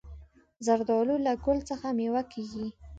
زردالو له ګل څخه مېوه کېږي.